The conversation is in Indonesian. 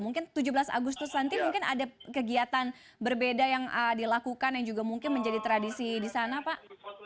mungkin tujuh belas agustus nanti mungkin ada kegiatan berbeda yang dilakukan yang juga mungkin menjadi tradisi di sana pak